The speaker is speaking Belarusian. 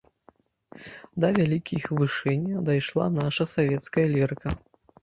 Да вялікіх вышынь дайшла наша савецкая лірыка.